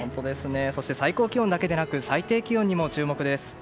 そして最高気温だけじゃなく最低気温にも注目です。